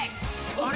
あれ？